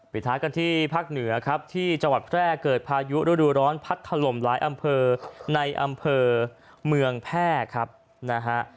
ท้ายกันที่ภาคเหนือครับที่จังหวัดแพร่เกิดพายุฤดูร้อนพัดถล่มหลายอำเภอในอำเภอเมืองแพร่ครับนะฮะ